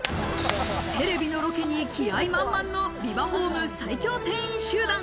テレビのロケに気合い満々のビバホーム最強店員集団。